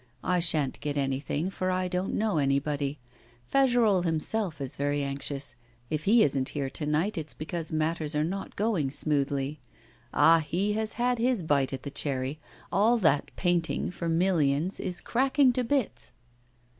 I sha'n't get anything, for I don't know anybody. Fagerolles himself is very anxious. If he isn't here to night, it's because matters are not going smoothly. Ah! he has had his bite at the cherry; all that painting for millions is cracking to bits!